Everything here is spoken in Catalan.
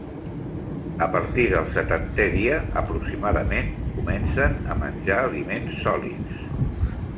A partir del setantè dia, aproximadament, comencen a menjar aliments sòlids.